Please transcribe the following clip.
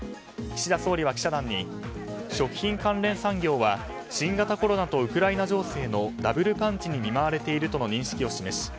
岸田総理は記者団に食品関連産業は新型コロナとウクライナ情勢のダブルパンチに見舞われているとの認識を示し